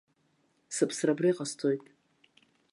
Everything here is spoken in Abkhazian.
Сыԥсра абра иҟасҵоит!